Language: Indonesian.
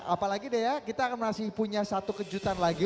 apalagi dea kita akan masih punya satu kejutan lagi